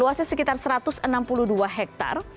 luasnya sekitar satu ratus enam puluh dua hektare